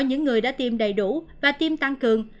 những người đã tiêm đầy đủ và tiêm tăng cường